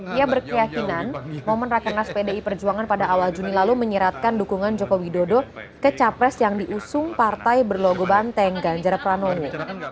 dia berkeyakinan momen rakenas pdi perjuangan pada awal juni lalu menyiratkan dukungan joko widodo ke capres yang diusung partai berlogo banteng ganjar pranowo